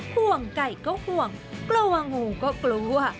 ห่วงไก่ก็ห่วงกลัวงูก็กลัว